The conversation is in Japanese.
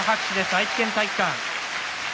愛知県体育館。